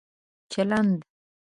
چلند